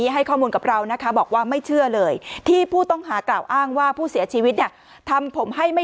ใหม่เขาเชื่อว่าจริงแล้วผู้ต้องหารายเนี่ยประสงค์ตอบทรัพย์ค่ะ